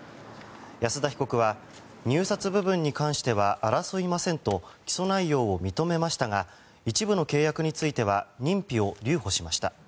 安田被告は入札部分に関しては争いませんと起訴内容を認めましたが一部の契約については認否を留保しました。